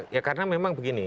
ya karena memang begini